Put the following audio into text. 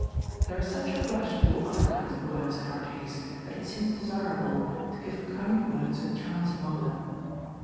There is such a rush of all other kinds of words in our days, that it seems desirable to give kind words a chance among them.